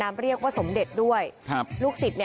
สวัสดีครับทุกคน